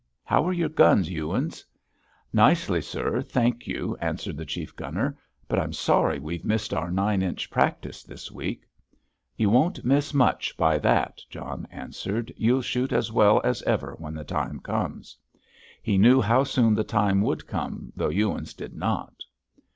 How are your guns, Ewins?" "Nicely, sir, thank you," answered the chief gunner. "But I'm sorry we've missed our nine inch practice this week." "You won't miss much by that," John answered. "You'll shoot as well as ever when the time comes." He knew how soon the time would come, though Ewins did not.